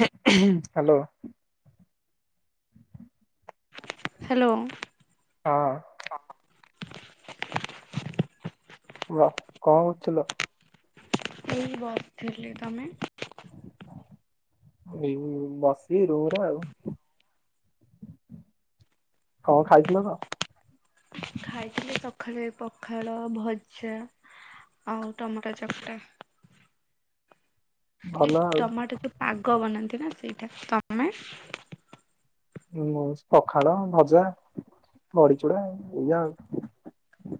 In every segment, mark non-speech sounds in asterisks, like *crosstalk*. Hello hello ହଁ ହ କଣ ହଥିଲ ଏହି ବ ଥିଲେ ତମେ ଏ ବସି ରୋରେ ଆଉ କଣ ଖାଇଥିଲ ତ କଖରେ ପଖାଳ ଭଜା ଆଉ ଟମାଟୋ ଚକଟା ଭଲ ସେଇ ଆଉ ଟମାଟୋ ଯୋଉ ପାଗ ବନାନ୍ତି ନା ସେଇଟା ତମେ ହୁଁ ପଖାଳ ଭଜା ବଡିଚୁଡା ଏଇଆା ଆଉ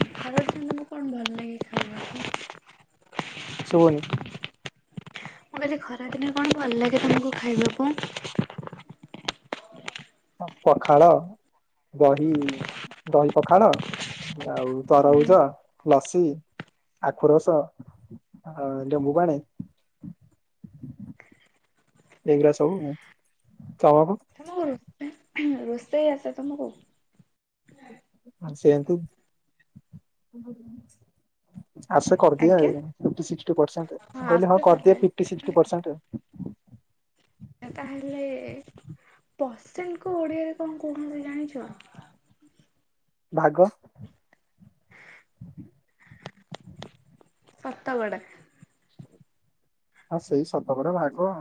ଖ କଣ ଭଲ ଲାଗେ ଖାଇବାକୁ ଶଭନି ମୁଁ କହିଲି ଖରା କିିନେ କଣ ଭଲ ଲାଗେ ତମକୁ ଖାଇବାକୁ ପଖାଳ ଦହି ଦହି ପଖାଳ ଆଉ ହୁଁ ତରଉଜ ଲସି ଆଖୁ ରସ ଆଉ ଲେମ୍ବୁ ପାଣି ଏଗ୍ରା ସବୁ କାମକୁ ରୋେଇ ଆଛ ତମକୁ ଆ ସେନ୍ତୁ ଆସ କରିଦି ଆଜ୍ଞା। ହଁ କହିଲ ଆସେ ତାହେଲେ ହଁ ତାହେଲେ ପରସେଣ୍ଟ କୁ ଓଡିଆରେ କଣ କହୁଛନ୍ତି ଜାଣିଛ ଭାଗ ସତ ଗଡ଼ ଆଉ ସେଇ ସତକଡ ଭାଗ।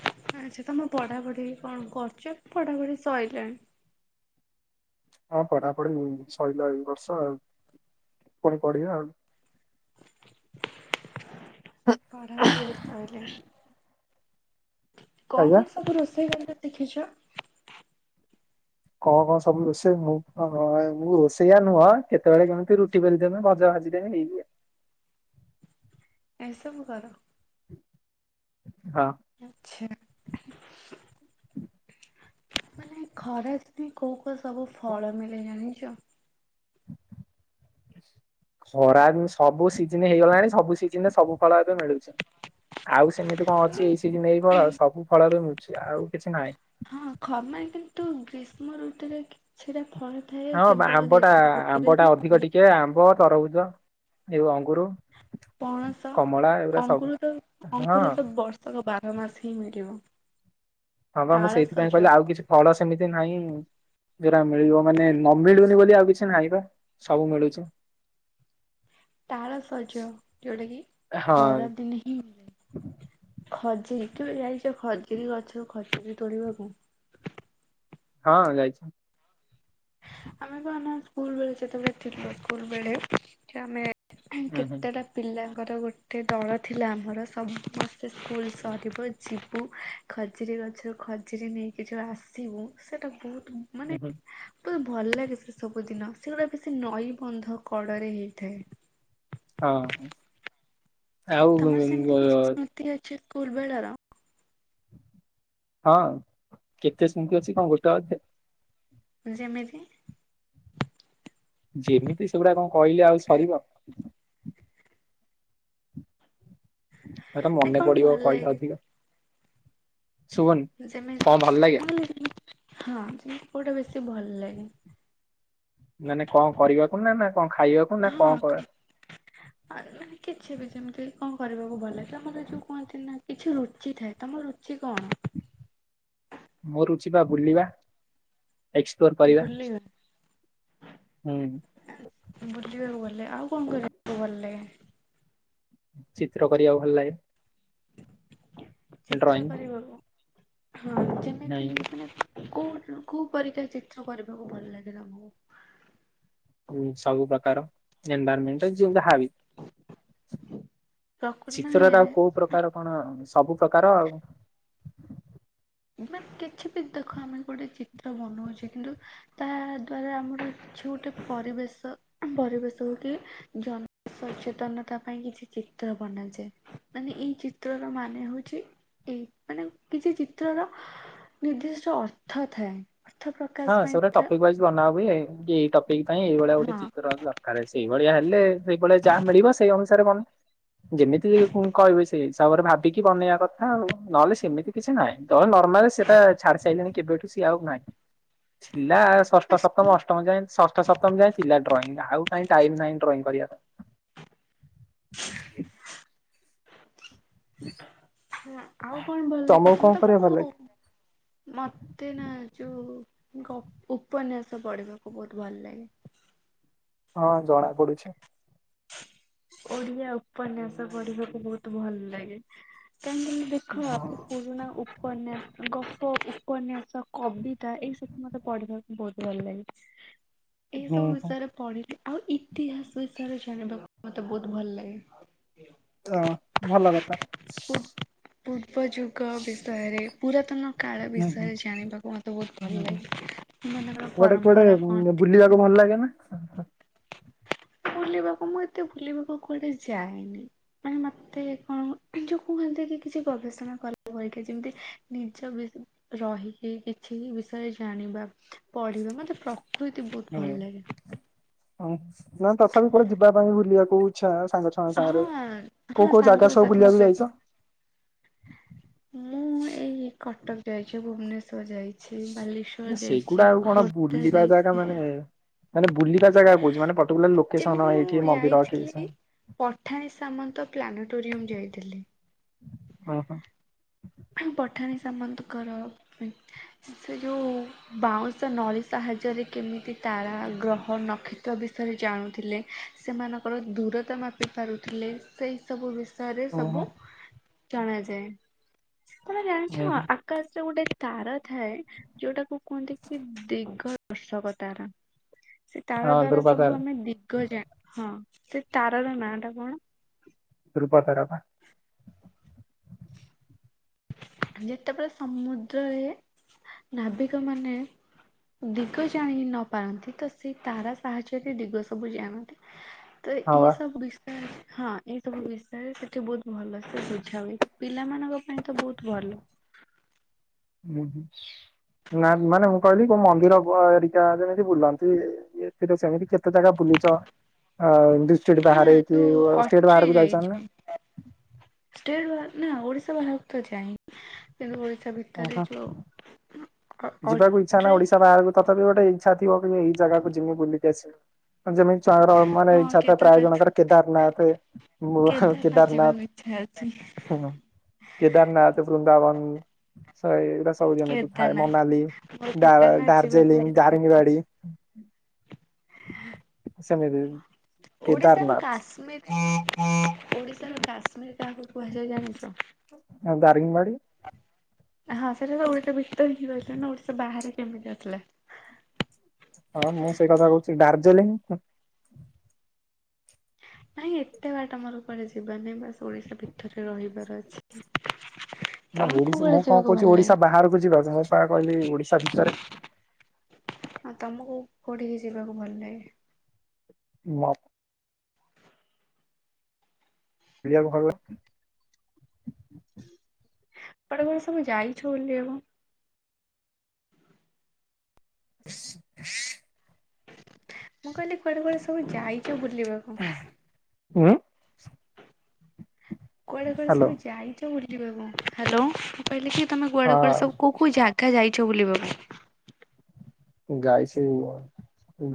ଆଚଛା ତମେ ପଢା ପଢି କଣ କରୁଚ? ପଢାପଢି ସରିଲାଣି। ହଁ ପଢାପଢି ସରିଲା ଏ ବର୍ଷ ଆଉ ପୁଣି ପଢିବା ଆଉ। ପଢ଼ାପାଢ଼ୀ ସଇଲାଣି। କଣ ଆଜ୍ଞା। କଣ ସବୁ ରୋଷେଇ କରିବା ଶିଖିଛ? କଣ କଣ ସବୁ ରୋଷେଇ ମୁ ମୁଁ ରୋଷେଇଆ ନୁହଁ କେତେବେଳେ କେମିତି ରୁଟି ବେଲିଦେବି ଭଜା ଭାଜି ଦେମି *unintelligible* ଏସବୁ କର। ହଁ। ଆଛା ମାନେ ଖରା ପାଇଁ କୋଉ କୋଉ ସବୁ ଫଳ ମିଳେ ଜାଣିଚ? ଖରାଦି ସବୁ ସିଜିନ ହେଇଗଲାଣି ସବୁ ସିଜିନରେ ସବୁ ଫଳ ଏବେ ମିଳୁଚି। ଆଉ ସେମିତି କଣ ଅଛି ଏଇ ସି ଏଇ ଆଉ ସବୁ ଫଳ *inaudible* ଆଉ କିଛି ନାହିଁ। ହଁ ଖମ କିନ୍ତୁ ଗ୍ରୀଷ୍ମ ଋତୁରେ କିଛିଟା ଫଳ ଥାଏ ହଁ କେବଳ ଆମ୍ବଟା ଗ୍ରୀଷ୍ମ ଋତୁରେ ଆମ୍ବଟା ହିଁ ଅଧିକ ମିଳେ ଟିକେ ଆମ୍ବ ତରଭୁଜ ଏ ଅଙ୍ଗୁର ପଣସ ଅଙ୍କୁୁର ହଁ ଅଙ୍କୁର ତ ବର୍ଷକ ବାର ମାସ ହିଁ ମିଳିବ। ହଁ ବା ମୁଁ ସେଇଥିପାଇଁ କହିଲି ତାଳସଜ ଆଉ କିଛି ଫଳ ସେମିତି ନାହିଁ ଯୋଉରା ମିଳିବ ମାନେ ନମଳୁନି ବୋଲି ଆଉ କିଛି ନାହିଁ ବା ସବୁ ମିଳୁଚି। ତାରଶଜ ଯୋଉଟା କି ହଁ ଖରା ଦିନେ ହିଁ ମିଳେ ଖଜେଇ କେବେ ଯାଇଛ ଖଜ କେହି ଗଛର ଖର୍ଚ୍ଚ ବି ତୋଳିବା କ ହଁ ଯାଇଚି। ଆମେ କହ ନା ସ୍କୁଲ ବେଳେ ଯେତେବେଳେ ଥିଲ ସ୍କୁଲ ବେଳେ ଆମେ ଆ ହୁଁ ହୁଁ କେତେଟା ପିଲା ତାଙ୍କର ଗୋଟେ ଦଳ ଥିଲା ଆମର ସମସ୍ତେ ସ୍କୁଲ ସରିବୁ ଯିବୁ ଖଜୁରୀ ଗଛରୁ ଖଜୁରୀ ନେଇକି ଯେଉଁ ଆସିବୁ ସେଇଟା ବହୁତ ହୁଁ ମାନେ ହୁଁ ବହୁତ ଭଲ ଲାଗେ ସେ ସବୁ ଦିନ, ସେଗୁଡା ବେଶୀ ନଈବନ୍ଧ କଳରେ ହେଇଥାଏ। ହଁ। ଆଉ ତମର ସେମିତି କିଛି ଅ, ସ୍ମୃତି ଅଛ ପୁଲବେଳର। ହଁ କେତେ ସେମିତି ଅଛି କଣ ଗୋଟେ ଅଧେ। ଯେମିତି? ଯେମିତି ସେଗୁଡା କଣ କହିଲି ଆଉ ସରିବ। ଏଟ ନା ମନେ କଣ ପଡିବ ଭଲ କହିଲା ଲାଗେ ଅଧିକ ଶୁବୁନି କଁ ଯେମିତି ଭଲ ଲାଗେ? ହଁ ଯେମିତି କୋଉଟା ବେଶୀ ଭଲ ଲାଗେ ମାନେ କଣ କରିବାକୁ ନାଁ ନାଁ ହଁ ଅ ମାନେ କିଛି ବି ଯେମିତି କଁ କରିବାକୁ ଭଲ ଲାଏ ତମର ଏ ଯୋଉ କୁହନ୍ତି ନାଁ କିଛି ରୁଚି ଥାଏ, ତମ ରୁଚି କଣ? ମୋ ରୁଚି ପା ବୁଲିବା‌। ଏକ୍ସପ୍ଲୋର କରିବା। ହୁଁ ଆ ବୁଲିବାକୁ ଭ ହେଲେ ଆଉ କଣ କରିବାକୁ ଭଲ ଲାଗେ? ଚିତ୍ର କରିବାକୁ ଭଲ ଲାଗେ। ଡ୍ରଇଂ ଚିତ୍ର କରିବାକୁ। ହଁ ଯେମିତି ନାଇଁ ମାନେ କୋଉ କୋଉ ପରିକା ଚିତ୍ର କରିବାକୁ ଭଲ ଲାଗିଲା ତମୁକୁ? ହୁଁ ସବୁ ପକାର ଏନଭାରମେଣ୍ଟ ଯିଏ ଯାହା ବି। ପ୍ରକୃ ଚିତ୍ରରା ମାନେ ଆଉ କୋଉ ପ୍ରକାର କଣ ସବୁ ପ୍ରକାର ଆଉ ମାନେ କିଛି ବି ଦେଖ ଆମେ ଗୋଟେ ଚିତ୍ର ବନଉଚେ କିନ୍ତୁ ତାହା ଦ୍ଵାରା ଆମର କିଛି ଗୋଟେ ପରିବେଶ ଉଁହୁଁ ପରିବେଶ ହୋଉ କି ଜନ ସଚେତନତା ପାଇଁ କିଛି ଚିତ୍ର ବନାଯାଏ ମାନେ ଏଇ ଚିତ୍ରର ମାନେ ହଉଚି ଏଇ ମାନେ କିଛି ଚି ଚିତ୍ରର ନିର୍ଦ୍ଦିଷ୍ଟ ଅର୍ଥ ଥାଏ। ଅର୍ଥ ହଁ ପ୍ରକାଶ ପାଇଁ ସେଉରା ତା ଟପିକ ୱାଇଜ୍ ବନା ହୁଏ *unintelligible* ଏଇ ଟ ପିକ୍ ପାଇଁ ଏଇ ଭଳିଆ ହଁ ଗୋଟେ ଚିତ୍ର ଆ ମତେ ଦରକାର ଅଛି। ଭଳିଆ ହେଲେ ସେଇ ଭଳିଆ ଯାହା ମିଳିବ ସେଇ ଅନୁ ସାରେ ବନ ଯେମିତି ଫୁଁ କହିବେ ସେଇ ହିସାବରେ ଭାବିକି ବନେଇବା କଥା ଆଉ। ନହେଲେ ସେମିତି କିଛି ନାହିଁ। ନହେ ନର୍ମାଲି ସେଟା ଛାଡି ସାଇଲିଣି କେବେଠୁ ସିଏ ଆଉ ନାହିଁ। ଥିଲା ଷଷ୍ଠ ସପ୍ତମ ସ୍କୁଲ ଅଷ୍ଟମ ଯାଏଁ ଷଷ୍ଠ ସପ୍ତମ ଯାଏଁ ଥିଲା। ଡ୍ରଇଂ ଆଉ କାଇଁ ଟାଇମ ନାହିଁ ଡ୍ରଇଂ କରିବାର। ହଁ ଆଉ କଣ ଭଲ ଲାଗେ ତମକୁ କଣ ତମେ କରିବା ତମୁକୁ ଭଲ ଲାଗେ? ମତେ ନା ଯୋଉ ଗ ଉପନ୍ୟାସ ପଢ଼ିବାକୁ ବୋହୁତ ଭଲ ଲାଗେ‌। ହଁ ଜଣା ପଡ଼ୁଛି। ଓଡିଆ ଉପନ୍ୟାସ ପଢ଼ିବାକୁ ବୋହୁତ ଭଲ ଲାଗେ। କାହିଁକି ନାଁ ଦେଖ ସେ ପୁରୁଣା ଉପନ୍ୟାସ ଗ ପ ଉପନ୍ୟାସ କବିତା ଏଇ ସବୁ ମତେ ପଢିବାକୁ ବୋହୁତ ଭଲ ଲାଗେ। ଏହି ହୁଁ ସବୁ ହୁଁ ବିଷୟରେ ପଢ଼ିଲେ ଆଉ ଇ ତିହାସ ବିଷରେ ଜାଣିବାକୁ ମତେ ବହୁତ ଭଲ ଲାଗେ। ହ ଭଲ କଥା। ପୂର୍ବଯୁ ଗ ବିଷୟରେ ପୁରାତନ କାଳ ହୁଁ ବିଷୟରେ ଜାଣିବାକୁ ମତେ ବହୁତ ଭଲ ହୁଁ। ଲାଗେ। ସେମାନାନଙ୍କର କୁଆଡେ କୁଆଡେ ପରମ୍ପରା କଣ ବୁଲିବାକୁ ଥିଲା? ଭଲ ଲାଗେ ନା? ବୁଲିବାକୁ ମୁଁ ଏତେ ବୁଲିବାକୁ କୁଆଡେ ଯାଏନି ମାନେ ମତେ କଣ ଯୋଉ କୁହନ୍ତି କି କିଛି ଗବେଷଣା କଲା ପରିକା ଯେମିତି ନିଜ ବି ରହିକି କିଛି ବିଷୟରେ ଜାଣିବା ପଢିବା ମତେ ପ୍ର ହଇତ ବହୁତ ହୁଁ। ଭଲ ଲାଗେ ହଁ ନା ତଥାପି କୋଡେ ଯିବା ପାଇଁ ଭୁଲିବାକୁ ଚଛା ସାଙ୍ଗ ସାଙ୍ଗ ହଁ ସାଙ୍ଗରେ କୋଉ ହଁ କୋଉ ଜାଗା ସବୁ ସାଙ୍ଗସାଥିଙ୍କ ବୁଲିବାକୁ ସହିତ ଯାଇଛ ମୁଁ ଏଇ କଟକ ଯାଇଛ ଭୁବନେଶ୍ୱର ଯାଇଛେ ସେ ବାଲେଶ୍୍ୱର ଯାଇଛି ସେଇଗୁଡା ଆଉ କଣ ଖୋର୍ଦ୍ଧା ବୁଲିବା ଜାଗା ମାନେ ମାନେ ବୁଲିବା ଯାଇଛି ଜାଗା କହୁଛି ମାନେ ପର୍ଟିକୁଲାର ଲୋକେସନ ଯେମିତି ମୁଁ ଏଇଠି ମନ୍ଦିର କି ସେ ଯାଇଥିଲି ପଠାଣିୀ ସାମନ୍ତ ପ୍ଲାନେଟୋରିୟମ ଯାଇଥିଲି ହ ହୋ ପଠାନୀ ସାମନ୍ତଙ୍କର ସେ ଯୋଉ ବାଉଁଶ ନଳିୀ ସାହାଯ୍ୟରେ କେମିତି ତାରା ଗ୍ରହ ନକ୍ଷତ୍ର ବିଷୟରେ ଜାଣୁଥିଲେ ସେମାନଙ୍କର ଦୂରତା ମାପି ପାରୁଥିଲେ ସେଇ ସବୁ ବିଷ ସରେ ହୁଁ ସବୁ ହୁଁ ଜଣାାଯାଏ ତମେ ହୁଁ ଜାଣିଛ ହୁଁ ଆକାଶ ଗୋଟେ ତାରା ଥାଏ ଯୋଉଟାକୁ କୁହନ୍ତି କି ଦିଗ ଆବର୍ଶକତାରା ସେ ତାର ହଁ ଦ୍ଵାରା ଧ୍ରୁବତାରା ସବୁ ଆମେ ଦିଗ ଯା ହଁ ସେ ତାର ର ନାଁ ଟା କଣ ଦ ରପାତାରପ ଯେତେବେଳେ ସମୁଦ୍ରରେ ନାବିକ ମାନେ ଦିଗ ଜାଣି ନପାରନ୍ତି ତ ସେଇ ତାରା ସାହାଯ୍ୟରେ ଦିଗ ସବୁ ଜାଣନ୍ତି ତ ହଁ ଏ ବା ସବ ହଁ ଏଇ ସବୁ ବିଷୟରେ ସେଠି ବହୁତ ଭଲସେ ବୁଝା ହଏ ପିଲାମାନାନଙ୍କ ପାଇଁ ତ ବହୁତ ଭଲ ହୁଁ ହୁ ନା ମାନେ ମୁଁ କହିଲି କୋଉ ମନ୍ଦିର ଏରିକା ଯେମିତି ବୁଲନ୍ତି ଏଥିରେ ସେମିତି କେତେ ଜାଗା ବୁଲିଛ ଅ ଦୁଷ୍ଟେଟ ହଁ ବାହହାରଇ ଯୋଉ ସ୍ଟ ଅଟ୍ରି ବାହାର ବି ଯାଇଛ ନା ଯାଇଛି। ଷ୍ଟେଟ ବା ନା ଓଡିଶା ବାହାରକୁ ତ ଯାଇନି କିନ୍ତୁ ଭିତରେ ଓହୋ ଯୋଉ ଅ ଯିବାକୁ ଇଚଛା ନା ଅଟ୍ରି ଓଡିଶା ବାହାରକୁ ତ ତ ଗଟେ ଇଛାଥିବ ଏଇ ଜାଗାକୁ ଯମି ବୁିକି ଆସିବ ଯେମିତି ଙ୍କର ହଁ ମାନେଛାତ ପ୍ରାୟ କେଦାରନାଥ ଜଣଙ୍କର କେଦାରନାଥ କେଦାରନାଥ ଯିବାକୁ ଇଚ୍ଛା ଅଛି କେଦାରନାଥ ବୃନ୍ଦାବନ ଶ ଏଗୁଟା ସବ ଆମେ ତୁ ଥାଏ କେଦାରନାଥ ମନାଲି ମୋର କେଦାରନାଥ ଯିବାକୁ ଦଡାର୍ଜିଲିଂ ବହୁତ ଇଚ୍ଛା। ଦାରିଙ୍ଗୀବାଡ଼ି ସଦ ଓଡିଶାାରୁ କାଶ୍ମୀର ହୁଁ ଓଡିଶାର କାଶ୍ମୀର କାହାକୁ କୁହାଯାଏ ଜାଣିଛ ଦାରିଙ୍ଗବାଡି ହଁ ସେ ଭିତରେ ହ ରଥିଲେ ନା ସେ ବାହାରେ କେମିତି ଆସଥିଲା ହଁ ମୁଁ ସେଇ କଥା କହୁଛି ଡାର୍ଜିଲିଂ ନାଇଁ ଏତେ ବାଟ ମୋର କୁଆଡେ ଯିବାର ନାହିଁ ବାସ୍ ଓଡିଶା ଭିତରେ ରହିବାର ଅଛି। ନା ତମକୁ ଓଡିଶା କୁଆଡେ ମୁଁ କଣ ଯିବାକୁ ଭଲ କହୁଛି ଲାଗେ? ଓଡିଶା ବାହାରକୁ ଯିବା ପାଇଁ ମୁ ପା କହିଲି ଓଡିଶା ଭିତରେ। ହଁ ତମକୁ କୋଉଠିକି ଯିବାକୁ ଭଲ ଲାଗେ? ମତ୍ *inaudible* କୁଆଡେ କଣ ସବୁ ଯାଇଛ ବୁଲିବାକୁ? *inaudible* ମୁଁ କହିଲି କୁଆଡେ କୁଆଡେ ସବୁ ଯାଇଛ ବୁ ଲିବାକୁ ହଁ। କୁଆଡେ କୁଆଡେ ହ୍ୟାଲୋ ସବୁ ଯାଇଛ ବୋଲି ହ୍ୟାଲୋ ମୁଁ କହିଲି କି ତମେ କୁଆଡେ କୁଆଡେ ସବୁ ହଁ କଉ କୋଉ ଜାଗା ଯାଇ ଛ ବୋଲି ବାକୁ ଯାଇଛି ମ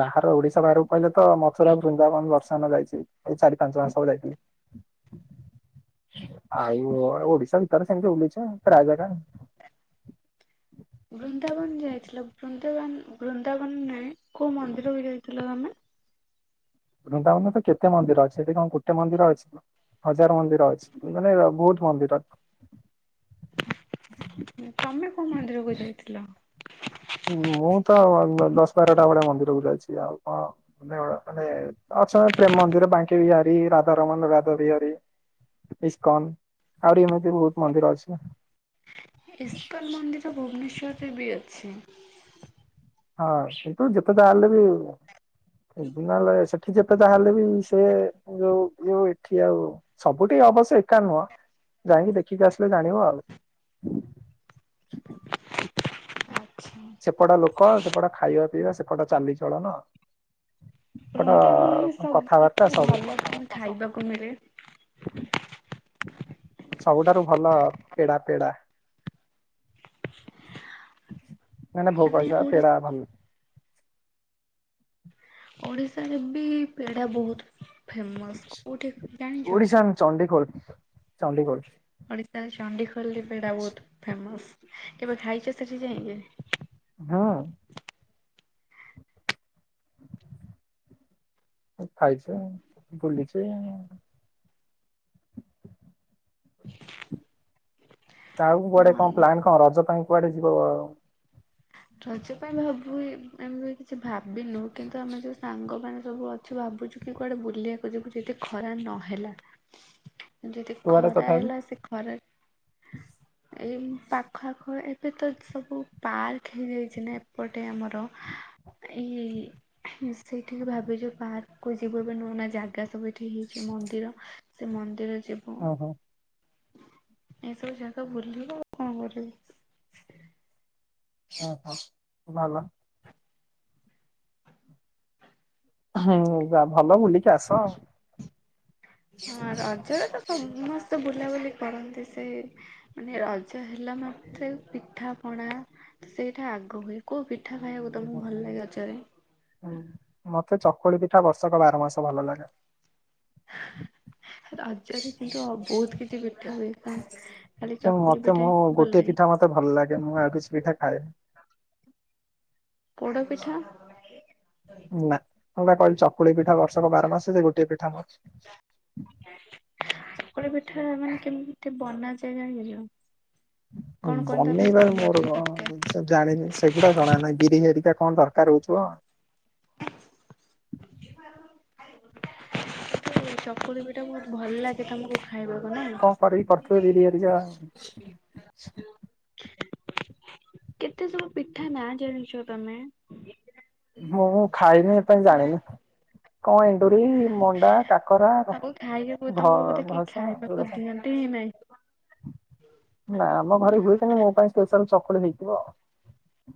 ବାହାର ଓଡିଶା ବାହାରକୁ କହିଲେ ତ ମଥୁରା, ବୃନ୍ଦାବନ ବର୍ଷା ନ ଯାଇଛି। ଏଇ ଚାରି ପାଞ୍ଚ ମାସ ହେବ ଯାଇଛିି। ଆଉ-ଉ-ଉ ଓଡିଶା ଭିତରେ ସେମିତି ବୁଲିଛି ରାୟଗଡା ବୃନ୍ଦାବନ ଯାଇଥିଲ ବୃନ୍ଦାବନ ବୃନ୍ଦାବନ ନରେ କୋଉ ମନ୍ଦିରକୁ ଯାଇଥିଲ ତମେ? ବୃନ୍ଦାବନ ତ କେତେ ମନ୍ଦିର ଅଛି ସେଠି କଣ ଗୋ ତେ ମନ୍ଦିର ଅଛି। ହଜାର ମନ୍ଦିର ଅଛି ମାନେ ବହୁତ ମନ୍ଦିର। ତମେ କୋଉ ମନ୍ଦିରକୁ ଯାଇଥିଲ? ମୁଁ ତ-ଅ-ଅ ଉ ଦଶ ବାରଟା ଭଳିଆ ମନ୍ଦିରକୁ ଯାଇଛି। ଆଉ କଣ ମ ମାନେ ଅଛନ୍ତି ପ୍ରେମ ମନ୍ଦିର, ବାଙ୍କି ବିହାରୀ, ରାଧାରମଣ, ରାଧା ବିହାରୀ, ଇସ୍କନ ଆହୁରି ଏମିତି ବହୁତ ମନ୍ଦିର ଅଛି। ଇସ୍କନ ମନ୍ଦିର ଭୁବନେଶ୍ୱରରେ ବି ଅଛି। ହଁ ସେଠୁ ଯେତେ ଯାହା ହେଲେ ବି ନହେଲେ ସେଠି ଯେତେ ଯାହା ହେଲେ ବି ସେ ଯୋଉ ଯଉ ଏଠି ଆଉ ସବୁଠି ଅବଶ୍ୟ ଏକା ନୁହଁ ଯାଇକି ଦେଖିକି ଆସିଲେ ଜାଣିବ ଆଉ। ଆଚ୍ଛା। ସେପଟ ଲୋକ, ସେପଟେ ଖାଇବା ପିଇବା, ସେପଟ ଚାଲିଚଳନ ସେପଟ ବୃନ୍ଦାବନରେ କଥାବାର୍ତ୍ତା ସବୁଠୁ ସବୁ ଭଲ କଣ ଖାଇବାକୁ ମିଳେ? ସବୁଠାରୁ ଭଲ ପେଡା ପେଡା। ନା ନା ଭୋଗ ମାନେ ହିସାବ ଓଡିଶା ପେଡା ଭଲ ଓଡିଶାରେ ବି ପେଡା ବହୁତ ଫେମସ କୋଉଠି ଜାଣିଛ? ଓଡିଶାନ୍ ଚଣ୍ଡିଖୋଲ ଚଣ୍ଡିଖୋଲ। ଓଡିଶାର ଚଣ୍ଡିଖୋଲ ପେଡା ବହୁତ ଫେମସ। କେବେ ଖାଇଚ ସେଠି ଯାଇକି? ହଁ। ଖାଇଚି ବୁଲିଚି। *unintelligible* ତାଉଁ କୁଆଡେ କଣ ମନି ପ୍ଲାନ କଣ ରଜ ପାଇଁ କୁଆଡେ ଯିବ-ଅ-ଅ-ଅ ରଜ ପାଇଁ ଭାବୁ ଆମେ କିଛି ଭାବିନୁ କିନ୍ତୁ ଆମେ ଯୋଉ ସାଙ୍ଗ ମାନେ ସବୁ ଅଛୁ ଭାବୁଛୁ କିଏ କୁଆଡେ ବୁଲିବାକୁ ଯିବୁ ଯଦି ଖରା ନହେଲା ଯଦି କୁଆଡେ ଖରା ତଥାପି ହେଲା ସେ ଖରା ଏଇ ପାଖ ଆଖ ଏବେ ତ ସବୁ ପାର୍କ ହେଇଯାଇଛି ନା ଏପଟେ ଆମର ଏଇ ସେଇଠିକି ଭାବିଛୁ ପାର୍କକୁୁ ଯିବୁ ଏ ନୂଆ ନୂଆ ଜାଗା ସବୁ ଠି ହେଇଛି ମନ୍ଦିର ସେ ମନ୍ଦିର ଯିବୁ ଓହୋ ଏସବୁ ଜାଗା ବୁଲିବୁ କଣ କରିବୁ ହଁ ହଁ ଭଲ ହୁଁ ଯା ଭଲ ବୁଲିକି ଆସ ହଁ ରଜରେ ତ ସମସ୍ତେ ବୁ ବୁଲା ବୁଲି କରନ୍ତି ସେ ମାନେ ରଜ ହେଲା ମାତ୍ରେ ପିଠା ପଣା ସେଇଟା ଆଗ ହୁଏ କୋଉ ପି ପିଠା ଖାଇବାକୁ ତମକୁ ଭଲ ଲାଗେ ରଜରେ ମତେ ଚକୁଳି ପିଠା ବର୍ଷକ ବାର ମାସ ଭଲ ଲାଗେ। ରଜରେ କିନ୍ତୁ ବହୁତ କିଛି ପିଠା ହୁଏ ପା ଖାଲି ଚକୁଳି ମତେ ପିଠା ମୁଁ ହିଁ ଭଲ ଲାଗେ। ଖାଏନି ପୋଡ ପିଠା ନା ମୁଁ ବା କହିଲି ଚକୁଳି ପିଠା ବର୍ଷକ ବାର ମାସ ଯେ ଗୋଟଏ ପିଠା ମୁଁ ଚକୁଳି ପିଠା ମାନେ କେମିତି ବନାଯାଏ ଜାଣିଚ ବନେଇବା ରେ ମୋର କଣ ଦରକାର? ସେ ଜାଣିନି ସେଗୁଡା କଣ ଆମେ ବିରି ହେରିକା କଣ ଦରକାର ହେଉଥିବ ସେ ଯୋଉ ଚକୁଳି ପି ସେଟା ବହୁତ ଭଲ ଲାଗେ ତମକୁ ଖାଇବାକୁ ନା କଣ କରିକି କରିଥିବେ ବିରି ହେରିକା *unintelligible* କେତେ ସବୁ ପିଠା ନା ଜଣିଛ ତମେ ମୁଁ ଖାଇନି ଏ ପାଇଁ ଜାଣିନି। କ ଏଣ୍ଡୁର ଏଇ ମଣ୍ଡା କାକରା ଭ ତାକୁ ଖାଇବାକୁ ଭ ତମକୁ ବୋଧେ କେହି ଭସା *inaudible* ଖାଇବାକୁ ଦିଅନ୍ତି ହିଁ ନାହିଁ। ନା ଆମ ଘରେ ହୁଏ ତେଣୁ ମୋ ପାଇଁ ସ୍ପେଶାଲ ଚକୁଳି ହେଇଥିବ।